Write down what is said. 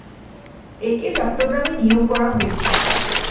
একে চট্টগ্রামে নিয়োগ করা হয়েছে।